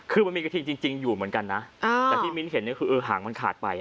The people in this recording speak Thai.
คือมันมีกระทิงจริงอยู่เหมือนกันนะแต่ที่มิ้นเห็นเนี่ยคือหางมันขาดไป